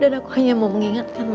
dan aku hanya mau mengingatkan mama